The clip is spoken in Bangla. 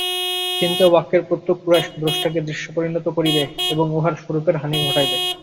চিন্তা ও বাক্যের প্রত্যেক প্রয়াস দ্রষ্টাকে দৃশ্যে পরিণত করিবে এবং উহার স্বরূপের হানি ঘটাইবে।